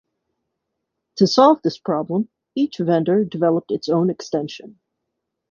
To solve this problem, each vendor developed its own extension.